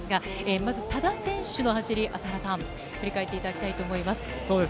まず多田選手走り、朝原さん振り返っていただきたいと思います。